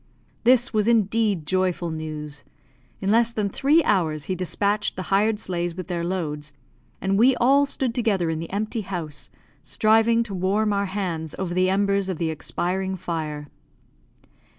This was indeed joyful news. In less than three hours he despatched the hired sleighs with their loads, and we all stood together in the empty house, striving to warm our hands over the embers of the expiring fire.